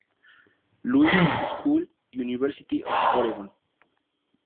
Louis School y University of Oregon.